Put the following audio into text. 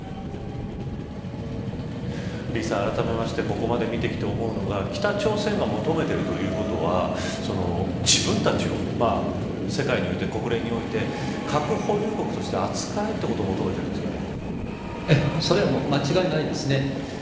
李さん、あらためましてここまで聞いて思うのが北朝鮮が求めてるということは自分たちを世界において、国連において核保有国として扱えということをそれはもう間違いないですね。